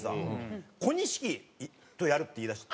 「小錦とやる」って言いだして。